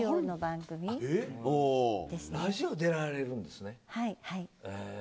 ラジオ出られるんですね。